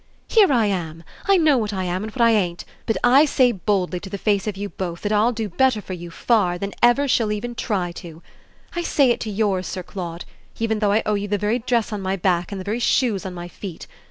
"Here I am; I know what I am and what I ain't; but I say boldly to the face of you both that I'll do better for you, far, than ever she'll even try to. I say it to yours, Sir Claude, even though I owe you the very dress on my back and the very shoes on my feet.